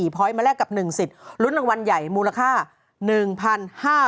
พอยต์มาแลกกับ๑สิทธิ์ลุ้นรางวัลใหญ่มูลค่า